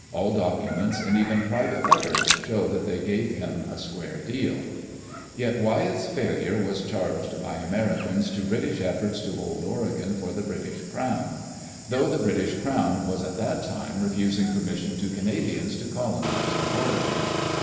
All documents and even private letters show that they gave him a square deaL Yet Wyeth's failure was charged by Americans to British efforts to hold Oregon for the British crown; though the British crown was at that time refusing permission to Canadians to colonize in Oregon.